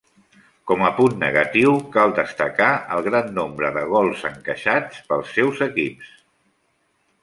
Com a punt negatiu cal destacar el gran nombre de gols encaixat pels seus equips.